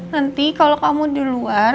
nanti kalau kamu di luar